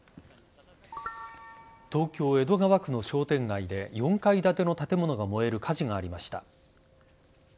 東京・江戸川区の商店街で４階建ての建物が燃える火事がありました。